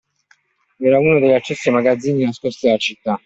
Era uno degli accessi ai magazzini nascosti della città.